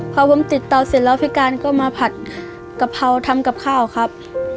พอผมติดเตาเสร็จแล้วพี่การก็มาผัดกะเพราทำกับข้าวครับ